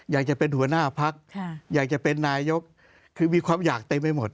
อยากจะเป็นหัวหน้าพักอยากจะเป็นนายกคือมีความอยากเต็มไปหมด